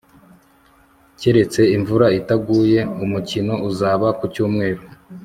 keretse imvura itaguye, umukino uzaba ku cyumweru